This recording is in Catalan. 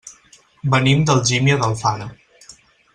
Venim d'Algímia d'Alfara.